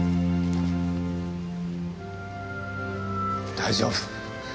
大丈夫。